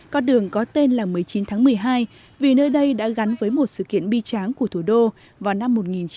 con đường có tên là một mươi chín tháng một mươi hai vì nơi đây đã gắn với một sự kiện bi tráng của thủ đô vào năm một nghìn chín trăm bảy mươi